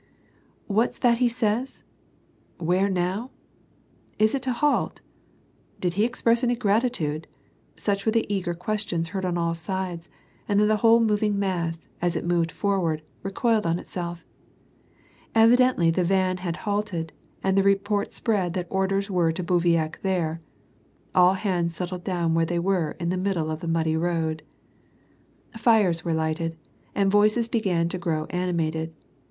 " What's that he says ?"—" Where now ?"—" Is it to halt ?"—" Did he express any gratitude ?" such w^ere the eager ques tions heard on all sides and then the whole moving mass as it moved forward, recoiled on itself. Evidently, the van had halted, and the report si)read that orders were to bivouac there. All hands settled down where they were in the middle of the muddy road. Fires were lighted, and voices began to grow animated.